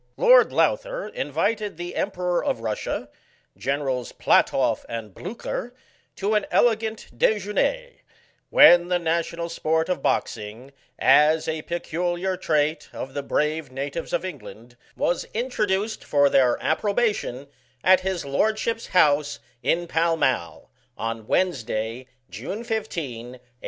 Lord Lowther invited the Emperor of Russia, Generals Platoff and Blucher, to an elegant dejuene^ when the national sport of Boxing, as a peculiar trait of the brave natives* of England^ was introduced for their approbation, at his lordship's house, in Pall Mall, on Wednesday, June 15, 1814.